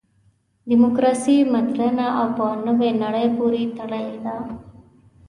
دیموکراسي مډرنه او په نوې نړۍ پورې تړلې ده.